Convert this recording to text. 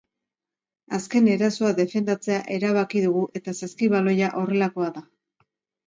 Azken erasoa defendatzea erabaki dugu eta saskibaloia horrelakoa da.